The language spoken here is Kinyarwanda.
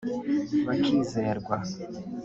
bakizerwa